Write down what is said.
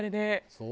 そう？